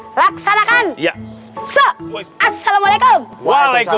hai laksanakan laksanakan laksanakan laksanakan laksanakan laksanakan laksanakan laksanakan laksanakan